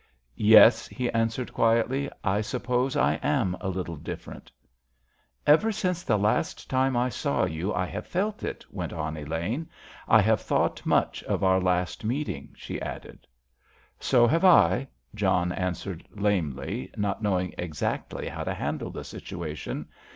"Yes," he answered, quietly, "I suppose I am a little different." "Ever since the last time I saw you I have felt it," went on Elaine. "I have thought much of our last meeting," she added. "So have I," John answered lamely, not knowing exactly how to handle the situation.